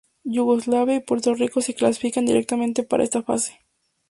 Yugoslavia y Puerto Rico se clasifican directamente para esta fase.